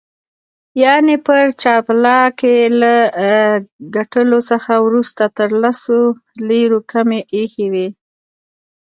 یعني پر جاپلاک یې له ګټلو څخه وروسته تر لسو لیرو کمې ایښي وې.